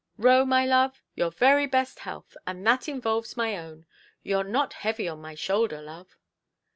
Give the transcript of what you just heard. Roe, my love, your very best health, and that involves my own. Youʼre not heavy on my shoulder, love".